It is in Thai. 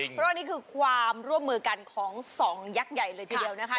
เพราะว่านี่คือความร่วมมือกันของสองยักษ์ใหญ่เลยทีเดียวนะคะ